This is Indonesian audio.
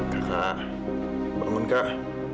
kakak bangun kak